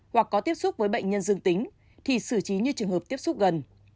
hoặc có tiếp xúc với bệnh nhân dương tính thì xử trí như trường hợp tiếp xúc gần